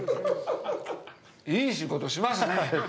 いい仕事しますね。